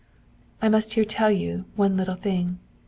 'I must here tell you one little thing.